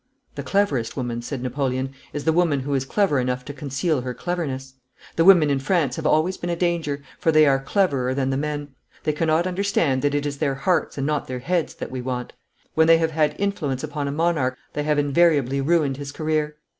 'The cleverest woman,' said Napoleon, 'is the woman who is clever enough to conceal her cleverness. The women in France have always been a danger, for they are cleverer than the men. They cannot understand that it is their hearts and not their heads that we want. When they have had influence upon a monarch, they have invariably ruined his career.